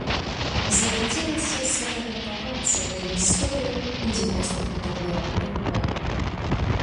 Захацелася сфатаграфавацца для гісторыі ў дзівосных інтэр'ерах клуба.